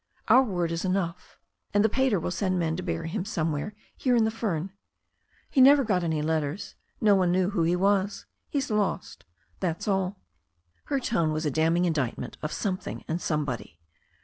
Our word is enough. And the pater will send men to bury him somewhere here in the fern. He never got any letters. No one knew who he was. He's lost That's all." Her tone was a damning indictment of something and somebody.